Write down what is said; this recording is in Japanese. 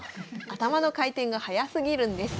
頭の回転が速すぎるんです。